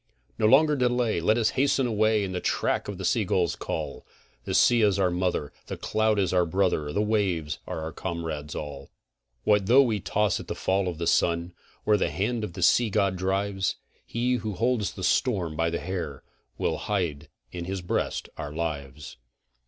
No longer delay, let us hasten away in the track of the sea gull's call, The sea is our mother, the cloud is our brother, the waves are our comrades all. What though we toss at the fall of the sun where the hand of the sea god drives? He who holds the storm by the hair, will hide in his breast our lives.